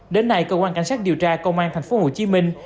đến nay cơ quan cảnh sát điều tra công an thành phố hồ chí minh